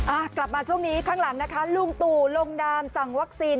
กลับมาช่วงนี้ข้างหลังนะคะลุงตู่ลงดามสั่งวัคซีน